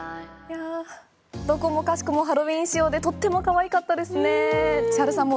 どこもかしこもハロウィン仕様でとってもかわいかったですね。